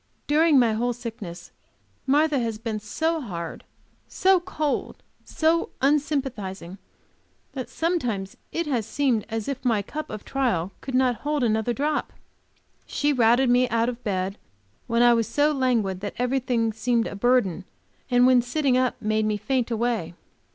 During my whole sickness, Martha has been so hard, so cold, so unsympathizing that sometimes it has seemed as if my cup of trial could not hold another drop. She routed me out of bed when I was so languid that everything seemed a burden, and when sitting up made me faint away.